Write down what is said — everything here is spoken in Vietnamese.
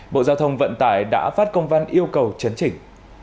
bộ giao thông vận tải đã phát công văn yêu cầu chấn chỉnh